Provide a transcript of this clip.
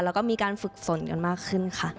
แล้วก็มีการฝึกฝนกันมากขึ้นค่ะ